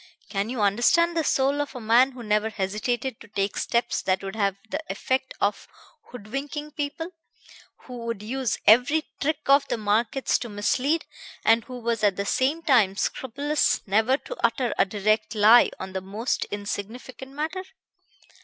Can you understand the soul of a man who never hesitated to take steps that would have the effect of hoodwinking people, who would use every trick of the markets to mislead, and who was at the same time scrupulous never to utter a direct lie on the most insignificant matter?